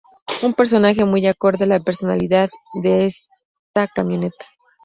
Un personaje muy acorde a la personalidad de esta camioneta.